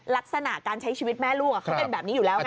ลักษณะการใช้ชีวิตแม่ลูกเขาเป็นแบบนี้อยู่แล้ว